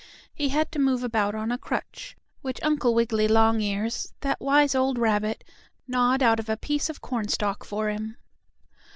He had to move about on a crutch, which Uncle Wiggily Longears, that wise old rabbit, gnawed out of a piece of cornstalk for him.